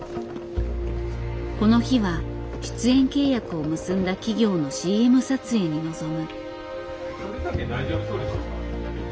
この日は出演契約を結んだ企業のＣＭ撮影に臨む。